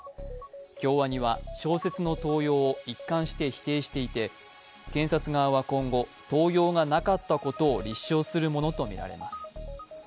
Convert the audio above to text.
京アニは小説の盗用を一貫して否定していて検察側は今後、盗用がなかったことを立証するものとみられまし。